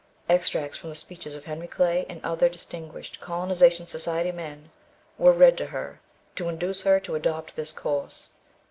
Extracts from the speeches of Henry Clay, and other distinguished Colonization Society men, were read to her to induce her to adopt this course.